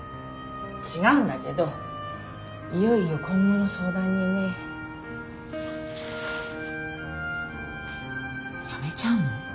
違うんだけどいよいよ今後の相談にね。辞めちゃうの？